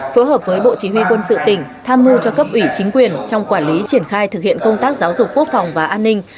phối hợp với bộ chỉ huy quân sự tỉnh tham mưu cho cấp ủy chính quyền trong quản lý triển khai thực hiện công tác giáo dục quốc phòng và an ninh